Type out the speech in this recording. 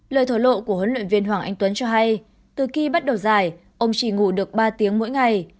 lời thổ lộ của huấn luyện viên hoàng anh tuấn cho hay từ khi bắt đầu giải ông chỉ ngủ được ba tiếng mỗi ngày